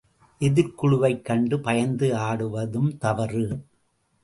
எதிர்க்குழுவைக் கண்டு பயந்து ஆடுவதும் தவறு.